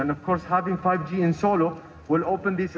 dan tentu saja memiliki lima g di kota solo akan membuka perusahaan ini